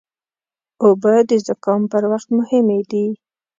اوبه د زکام پر وخت مهمې دي.